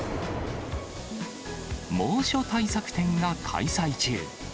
猛暑対策展が開催中。